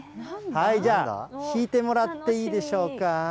じゃあ、引いてもらっていいでしょうか。